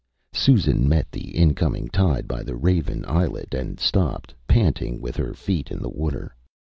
Susan met the incoming tide by the Raven islet and stopped, panting, with her feet in the water.